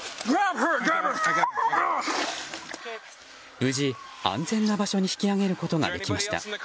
無事、安全な場所に引き上げることができました。